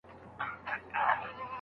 د میني کور وو د فتح او د رابیا کلی دی